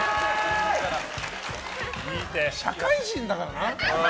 社会人だからな？